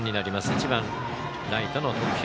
１番ライトの徳弘。